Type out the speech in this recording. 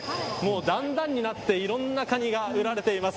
段々になって、いろんなカニが売られています。